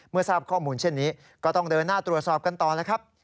ทราบข้อมูลเช่นนี้ก็ต้องเดินหน้าตรวจสอบกันต่อแล้วครับ